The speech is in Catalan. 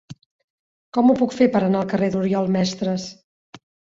Com ho puc fer per anar al carrer d'Oriol Mestres?